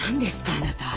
あなた。